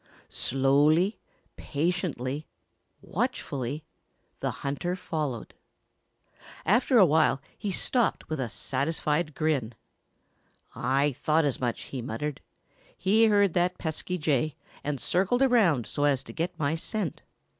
Slowly, patiently, watchfully, the hunter followed. After a while he stopped with a satisfied grin. "I thought as much," he muttered. "He heard that pesky Jay and circled around so as to get my scent.